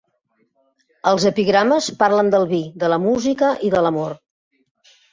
Els epigrames parlen del vi, de la música i de l'amor.